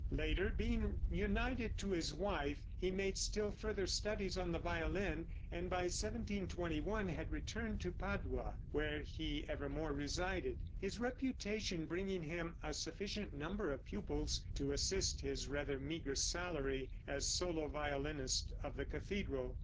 Later, being united to his wife, he made still further studies on the violin, and by 1721 had returned to Padua, where he evermore resided, his reputation bringing him a sufficient number of pupils to assist his rather meager salary as solo violinist of the cathedral.